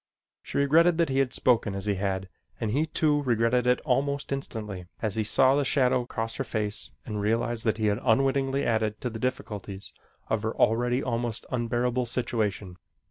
She regretted that he had spoken as he had and he, too, regretted it almost instantly as he saw the shadow cross her face and realized that he had unwittingly added to the difficulties of her already almost unbearable situation.